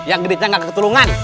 yang gede gede gak keitungan